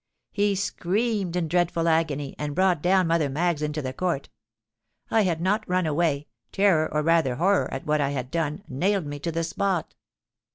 He screamed in dreadful agony, and brought down Mother Maggs into the court. I had not run away—terror, or rather horror at what I had done, nailed me to the spot.